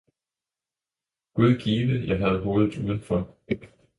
Gud give jeg havde hovedet udenfor!